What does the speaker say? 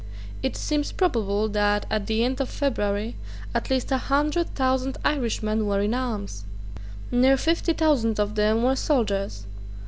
It seems probable that, at the end of February, at least a hundred thousand Irishmen were in arms. Near fifty thousand of them were soldiers.